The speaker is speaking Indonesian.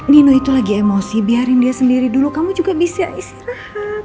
nino itu lagi emosi biarin dia sendiri dulu kamu juga bisa istirahat